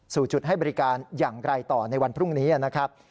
สู่จุดให้บริการอย่างไรต่อในวันพรุ่งนี้นะครับ